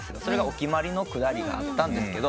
お決まりのくだりがあったんです。